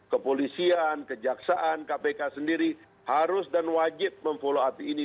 kepolisian kejaksaan kpk sendiri harus dan wajib memfollow up ini